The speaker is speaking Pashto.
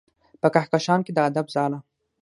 په کهکشان کې د ادب ځاله